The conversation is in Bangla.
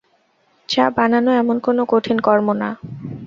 চা বানানো এমন কোনো কঠিন কর্ম না।